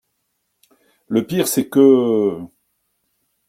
Le pire c’est que…